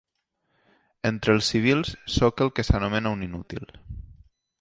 Entre els civils sóc el que s'anomena un inútil.